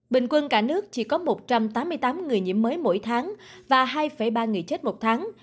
bình quân cả nước chỉ có một trăm tám mươi tám người nhiễm mới mỗi tháng và hai ba người chết một tháng